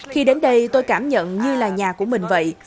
khi đến đây tôi cảm nhận như là nhà của mình vậy